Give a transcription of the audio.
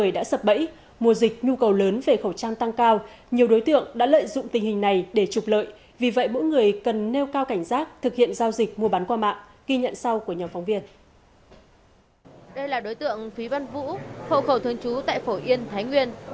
đây là đối tượng phí văn vũ hộ khẩu thường trú tại phổ yên thái nguyên